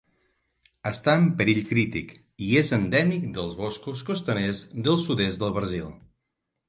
Està en perill crític i és endèmic dels boscos costaners del sud-est del Brasil.